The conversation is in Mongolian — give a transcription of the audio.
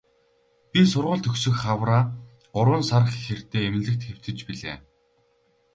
Би сургууль төгсөх хавраа гурван сар хэртэй эмнэлэгт хэвтэж билээ.